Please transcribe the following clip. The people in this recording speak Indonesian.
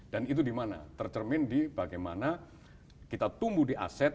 dan itu di mana tercermin di bagaimana kita tumbuh di aset